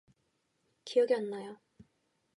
기억이 안 나요.